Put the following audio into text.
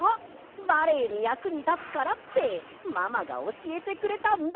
バレエにやくにたつからってママがおしえてくれたんだ！